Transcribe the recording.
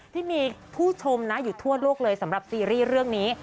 ที่มีผู้ชมนะอยู่ทั่วโลกเลยสำหรับซีรีส์เรื่องนี้